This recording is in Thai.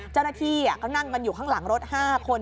เจ้าหน้าที่เขานั่งกันอยู่ข้างหลังรถ๕คน